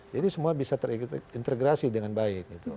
jadi semua bisa terintegrasi dengan baik